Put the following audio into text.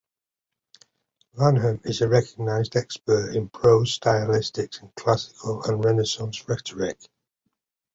Lanham is a recognized expert in prose stylistics and Classical and Renaissance rhetoric.